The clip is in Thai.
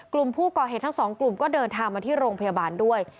กลุ่มผู้ก่อเหตุทั้งสองกลุ่มก็เดินทางมาที่โรงพยาบาลด้วย